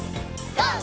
ＧＯ！